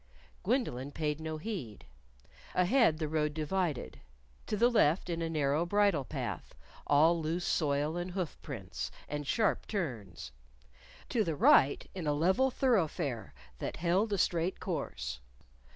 Gwendolyn paid no heed. Ahead the road divided to the left in a narrow bridle path, all loose soil and hoof prints, and sharp turns; to the right in a level thoroughfare that held a straight course.